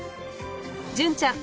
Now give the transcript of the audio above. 純ちゃん